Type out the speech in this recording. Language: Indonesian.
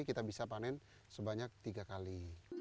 kita bisa panen sebanyak tiga kali